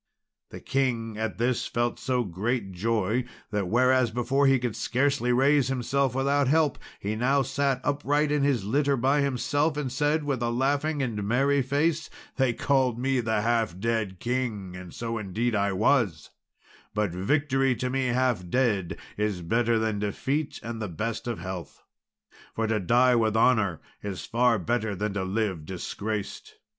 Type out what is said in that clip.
The king at this felt so great joy, that, whereas before he could scarce raise himself without help, he now sat upright in his litter by himself, and said, with a laughing and merry face, "They called me the half dead king, and so indeed I was; but victory to me half dead is better than defeat and the best health. For to die with honour is far better than to live disgraced."